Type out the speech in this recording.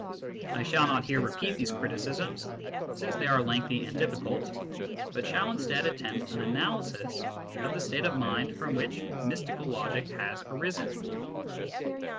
I shall not here repeat these criticisms, since they are lengthy and difficult, but shall instead attempt an analysis of the state of mind from which mystical logic has arisen.